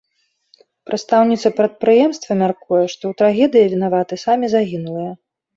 Прадстаўніца прадпрыемства мяркуе, што ў трагедыі вінаватыя самі загінулыя.